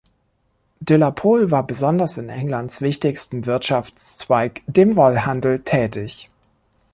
De la Pole war besonders in Englands wichtigstem Wirtschaftszweig, dem Wollhandel, tätig.